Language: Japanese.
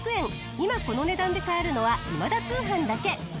今この値段で買えるのは『今田通販』だけ。